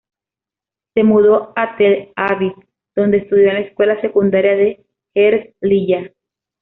Se mudó a Tel Aviv, donde estudió en la escuela secundaria de Herzliya.